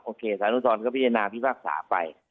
โอเคสารอุทธรณ์ก็พิจารณาพิภาคศาสตร์ไป